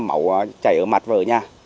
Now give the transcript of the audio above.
máu chảy ở mặt và ở nhà